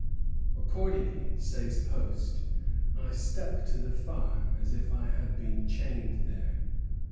"Accordingly," says Post, "I stuck to the fire as if I had been chained there.